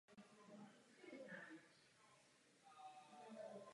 Její další výhoda spočívá v rychlosti zpracovávání a menší paměťové náročnosti.